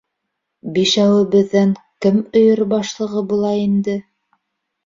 — Бишәүебеҙҙән кем өйөр башлығы була инде?